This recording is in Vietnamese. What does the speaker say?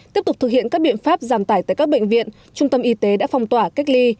tiếp tục thực hiện các biện pháp giảm tải tại các bệnh viện trung tâm y tế đã phong tỏa cách ly